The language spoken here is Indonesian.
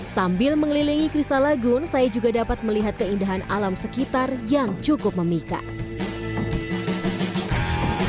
sambil mengelilingi kristal lagun saya juga dapat melihat keindahan alam sekitar yang cukup memikat